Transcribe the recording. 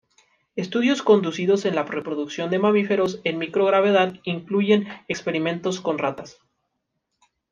Estudios conducidos en la reproducción de mamíferos en microgravedad incluyen experimentos con ratas.